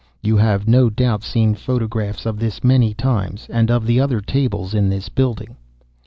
"You have no doubt seen photographs of this many times, and of the other tables in this building.